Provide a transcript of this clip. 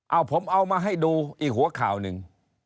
เอาผมเอามาให้ดูอีกหัวข่าวหนึ่ง